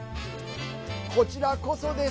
こちらこそです。